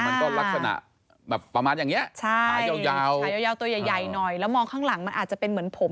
มันก็ลักษณะแบบประมาณอย่างเนี้ยใช่ขายาวขายาวตัวใหญ่ใหญ่หน่อยแล้วมองข้างหลังมันอาจจะเป็นเหมือนผม